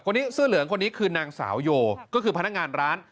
เสื้อเหลืองคนนี้คือนางสาวโยก็คือพนักงานร้าน